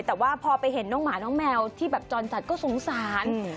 แต่ว่าพอไปเห็นน้องหมาน้องแมวที่แบบจรจัดก็สงสาร